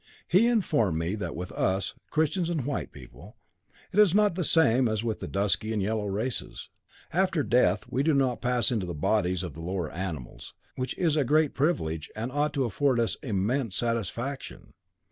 He informed me that with us, Christians and white people, it is not the same as with the dusky and the yellow races. After death we do not pass into the bodies of the lower animals, which is a great privilege and ought to afford us immense satisfaction.